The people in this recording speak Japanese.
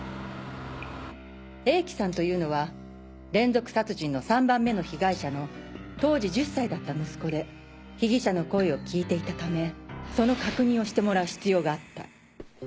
永貴さんというのは連続殺人の３番目の被害者の当時１０歳だった息子で被疑者の声を聞いていたためその確認をしてもらう必要があった